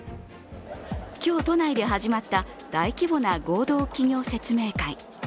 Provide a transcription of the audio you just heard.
今日、都内で始まった大規模な合同企業説明会。